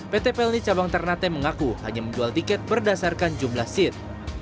pt pelni cabang ternate mengaku hanya menjual tiket berdasarkan jumlah seat